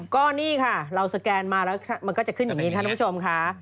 ก็นี่ค่ะเราสแกนมาแล้วมันก็จะขึ้นอย่างนี้ท่านผู้ชมค่ะ